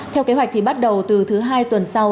theo kế hoạch thì bắt đầu từ thứ hai tuần sau